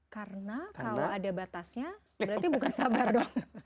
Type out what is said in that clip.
karena kalau ada batasnya berarti bukan sabar dong